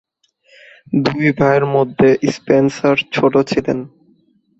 দুই ভাইয়ের মধ্যে স্পেন্সার ছোট ছিলেন।